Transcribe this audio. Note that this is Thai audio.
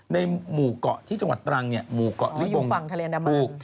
ในหมู่เกาะที่จังหวัดตรังเนี่ยหมู่เกาะฤทธิ์บงปลูก